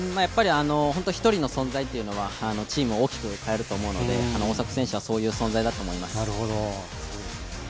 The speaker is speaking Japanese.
１人の存在というのはチームを大きく変えると思うので、大迫選手はそういう存在だと思います。